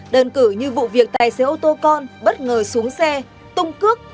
đơn cử như vụ việc tài xế ô tô con bất ngờ xuống xe tung cước